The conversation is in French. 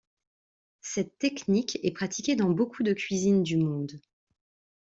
Cette technique est pratiquée dans beaucoup de cuisines du monde.